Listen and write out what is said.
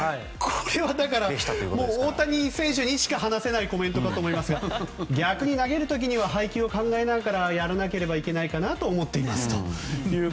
これは大谷選手しか話せないコメントかと思いますが逆に投げる時には配球を考えなくちゃいけないかなと思っていますと。